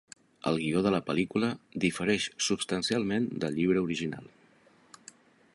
El guió de la pel·lícula difereix substancialment del llibre original.